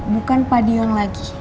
bukan padiong lagi